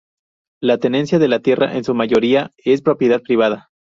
La tenencia de la tierra en su mayoría es propiedad privada.